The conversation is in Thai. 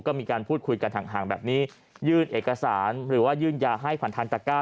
ก็มีการพูดคุยกันห่างแบบนี้ยื่นเอกสารหรือว่ายื่นยาให้ผ่านทางตะก้า